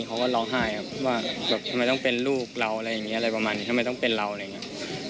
เขาก็ร้องไห้ครับว่าแบบทำไมต้องเป็นลูกเราอะไรอย่างนี้อะไรประมาณนี้ทำไมต้องเป็นเราอะไรอย่างนี้